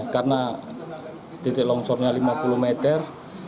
karena titik longsornya lima puluh meter